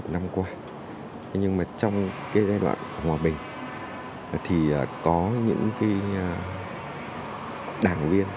nhưng mà trong cái giai đoạn hòa bình thì có những cái đảng viên